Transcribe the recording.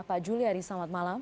pak juliari selamat malam